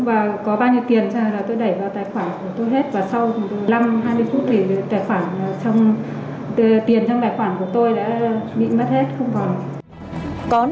và sau năm hai mươi phút thì tiền trong tài khoản của tôi đã bị mất hết không còn